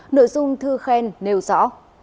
nội dung thư khen nêu rõ